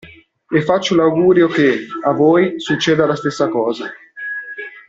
E faccio l'augurio che, a voi, succeda la stessa cosa.